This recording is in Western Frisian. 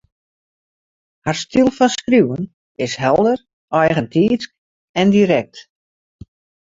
Har styl fan skriuwen is helder, eigentiidsk en direkt